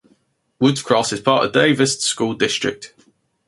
Woods Cross is part of Davis School District.